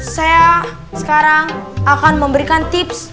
saya sekarang akan memberikan tips